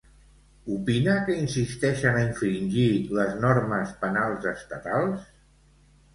Opina que insisteixen a infringir les normes penals estatals?